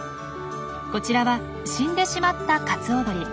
こちらは死んでしまったカツオドリ。